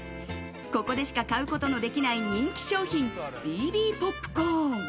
ここでしか買うことのできない人気商品ＢＢポップコーン。